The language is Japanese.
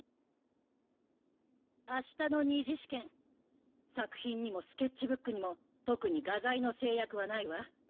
明日の２次試験作品にもスケッチブックにも特に画材の制約はないわ。